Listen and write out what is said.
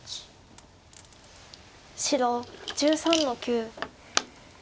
白１３の九。